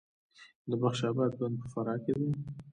د بخش اباد بند په فراه کې دی